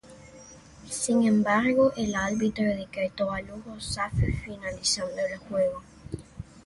Sin embargo, el árbitro decretó a Lugo safe, finalizando el juego.